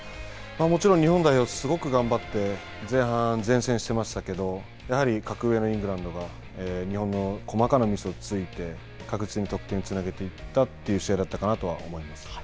もちろん、日本代表、すごく頑張って、前半、善戦してましたけど、やはり格上のイングランドが日本の細かなミスをついて、確実に得点につなげていったという試合だったかなとは思います。